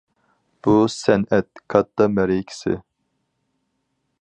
بۇ سەنئەت كاتتا مەرىكىسى.